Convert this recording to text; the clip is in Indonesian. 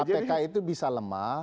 kpk itu bisa lemah